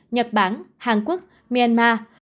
nhật bản hàn quốc myanmar